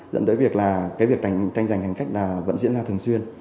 dẫn tới việc là cái việc tranh giành hành khách là vẫn diễn ra thường xuyên